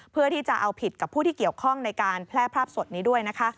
เพื่อที่จะเอาผิดกับผู้ที่เกี่ยวข้องในการแพร่ภาพสดนี้ด้วยนะคะ